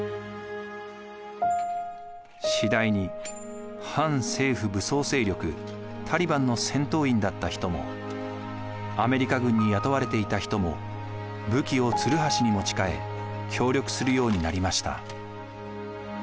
次第に反政府武装勢力タリバンの戦闘員だった人もアメリカ軍に雇われていた人も武器をつるはしに持ち替え協力するようになりました。